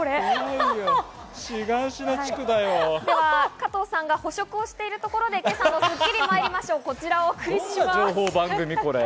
加藤さんが捕食をしているところで今朝の『スッキリ』です。